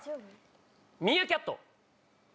ミーアキャット。